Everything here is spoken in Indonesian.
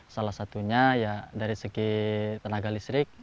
salah satunya ya dari segi tenaga listrik